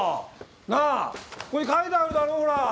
なあここに書いてあるだろほら。